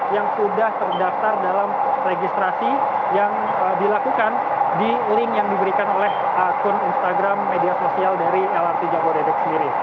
yang sudah terdaftar dalam registrasi yang dilakukan di link yang diberikan oleh akun instagram media sosial dari lrt jabodebek sendiri